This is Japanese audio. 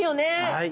はい。